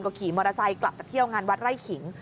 ขี่มอเตอร์ไซค์กลับจากเที่ยวงานวัดไร่ขิง